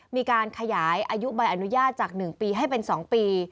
มีการขยายอายุใบอนุญาตจาก๑ปีให้เป็น๒ปี